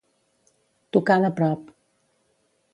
Tocar de prop.